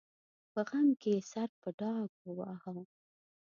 په غم کې یې سر په ډاګ وواهه.